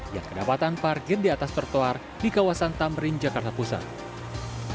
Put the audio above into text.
yang kedapatan parkir di atas trotoar di kawasan tamrin jakarta pusat